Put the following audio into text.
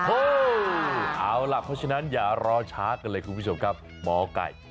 เอาล่ะเพราะฉะนั้นอย่ารอช้ากันเลยคุณผู้ชมครับหมอไก่